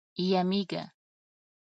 یمېږه.